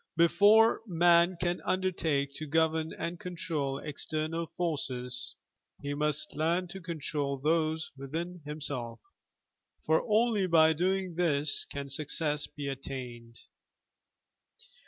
Before man can undertake to govern and control external forces, he must leam to control those within himself, for only by doing this can success be attained.